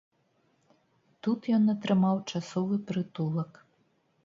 Тут ён атрымаў часовы прытулак.